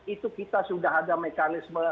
itu kita sudah ada mekanisme